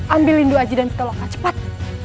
ambil lindung aji dan pitaloka cepat